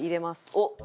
おっ！